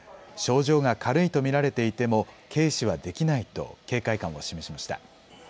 症状が軽いと見られていても軽視はできないと警戒感を示しました。